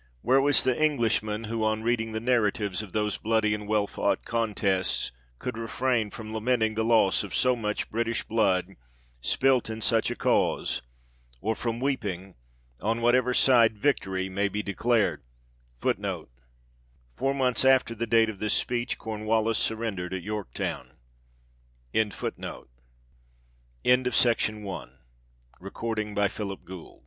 Where was the Englishman, who on reading the narratives of those bloody and well fought contests, could refrain from lament ing the loss of so much British blood spilt in such a cause, or from weeping, on whatever side vic tory might be declared 1 ^> Four months after the date of this speech Cornwallis surren dered at Yorktown. 4 PITT II ON AN ATTEMPT TO FORCE HIS RESIGNATION